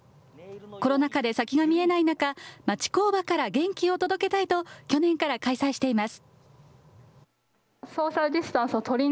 コロナ禍で先が見えない中、町工場から元気を届けたいと、去年から開催しています。